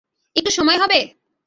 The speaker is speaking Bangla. একটু সময় হবে?